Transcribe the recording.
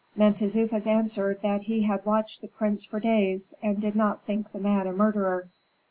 Mentezufis answered that he had watched the prince for days, and did not think the man a murderer.